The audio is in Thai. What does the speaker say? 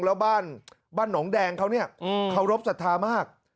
แล้วบ้านหนองแดงเขาเนี่ยเคารพสัทธามาก